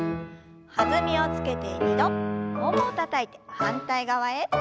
弾みをつけて２度ももをたたいて反対側へ。